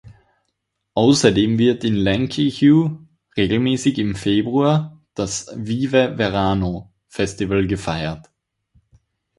Außerdem wird in Llanquihue regelmäßig im Februar das "Vive Verano" Festival gefeiert.